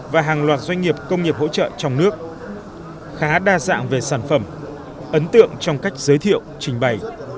và hàng loạt doanh nghiệp công nghiệp hỗ trợ trong nước khá đa dạng về sản phẩm ấn tượng trong cách giới thiệu trình bày